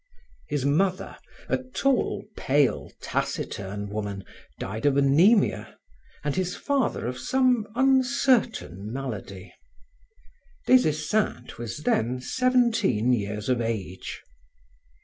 His mother, a tall, pale, taciturn woman, died of anaemia, and his father of some uncertain malady. Des Esseintes was then seventeen years of age.